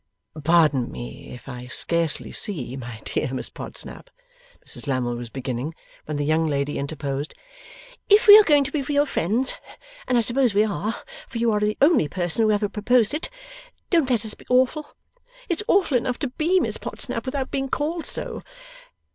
'Pardon me if I scarcely see, my dear Miss Podsnap,' Mrs Lammle was beginning when the young lady interposed. 'If we are going to be real friends (and I suppose we are, for you are the only person who ever proposed it) don't let us be awful. It's awful enough to BE Miss Podsnap, without being called so.